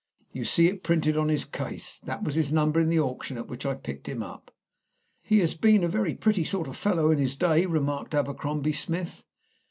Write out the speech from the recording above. You see it printed on his case. That was his number in the auction at which I picked him up." "He has been a very pretty sort of fellow in his day," remarked Abercrombie Smith.